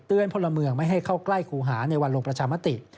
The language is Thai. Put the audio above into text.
พลเมืองไม่ให้เข้าใกล้ครูหาในวันลงประชามติ